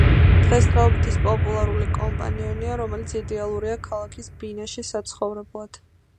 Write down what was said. დღესდღეობით ის პოპულარული კომპანიონია, რომელიც იდეალურია ქალაქის ბინაში საცხოვრებლად.